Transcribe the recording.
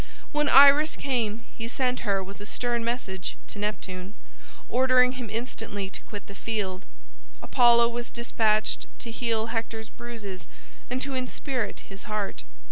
When Iris came he sent her with a stern message to Neptune, ordering him instantly to quit the field. Apollo was despatched to heal Hector's bruises and to inspirit his heart.